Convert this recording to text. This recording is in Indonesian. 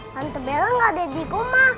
tante bella enggak ada di rumah